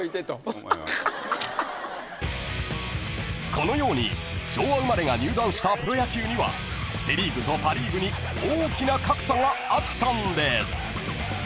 ［このように昭和生まれが入団したプロ野球にはセ・リーグとパ・リーグに大きな格差があったんです］